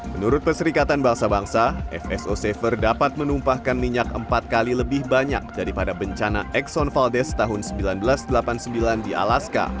menurut perserikatan bangsa bangsa fso safer dapat menumpahkan minyak empat kali lebih banyak daripada bencana exxon valdes tahun seribu sembilan ratus delapan puluh sembilan di alaska